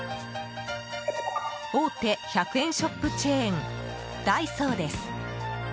大手１００円ショップチェーンダイソーです。